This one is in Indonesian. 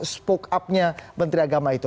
spoke up nya menteri agama itu